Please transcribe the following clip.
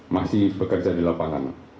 masih bekerja di lapangan